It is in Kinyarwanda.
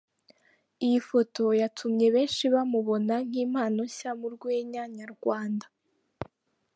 Iyi foto yatumye benshi bamubona nk'impano nshya mu rwenya nyarwanda.